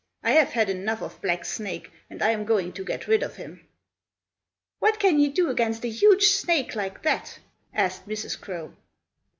I have had enough of Black Snake, and I am going to get rid of him." "What can you do against a huge snake like that?" asked Mrs. Crow.